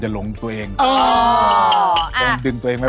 เชฟพอแล้วของเราของเรา